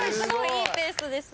いいペースです。